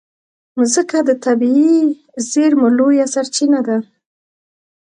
مځکه د طبعي زېرمو لویه سرچینه ده.